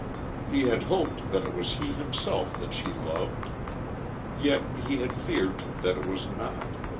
He had hoped that it was he himself that she loved. Yet he had feared that it was not.